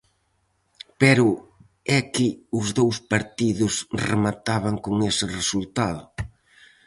Pero é que os dous partidos remataban con ese resultado.